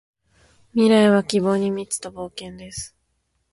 未来は希望に満ちた冒険です。